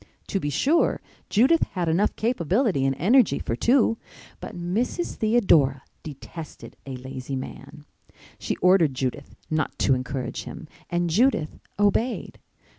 To be sure, Judith had enough capability and energy for two; but Mrs. Theodora detested a lazy man. She ordered Judith not to encourage him and Judith obeyed.